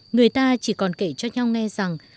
người ta chỉ còn kể cho nhau nghe rằng